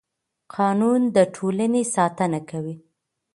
قانون د ټولنې ساتنه کوي